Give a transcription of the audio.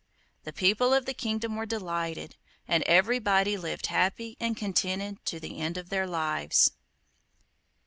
The people of the kingdom were delighted, and everybody lived happy and contented to the end of their lives.